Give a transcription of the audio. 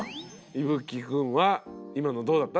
いぶきくんは今のどうだった？